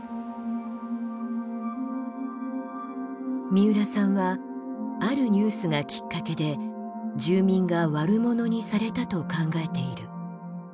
三浦さんはあるニュースがきっかけで住民が悪者にされたと考えている。